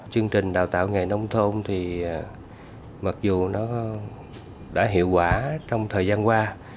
chương trình đào tạo nghề nông thôn thì mặc dù nó đã hiệu quả trong thời gian qua